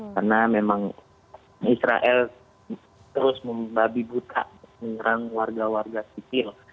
karena memang israel terus membabi buta menyerang warga warga sipil